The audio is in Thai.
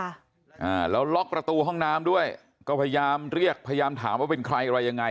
อ่าแล้วล็อกประตูห้องน้ำด้วยก็พยายามเรียกพยายามถามว่าเป็นใครอะไรยังไง